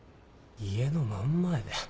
家の真ん前で。